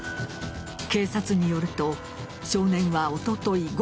警察によると少年はおととい